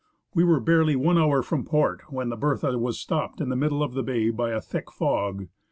We were barely one hour from port when the Bertha was stopped in the middle of the bay by a thick fog.